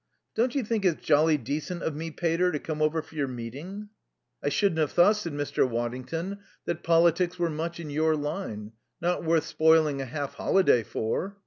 "Don't you think it's jolly decent of me, pater, to come over for your meeting?" "I shouldn't have thought," said Mr. Waddington, "that politics were much in your line. Not worth spoiling a half holiday for."